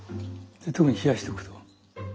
で特に冷やしておくと。